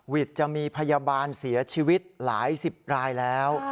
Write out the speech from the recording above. จะมีพยาบาลเสียชีวิตหลายสิบรายแล้ว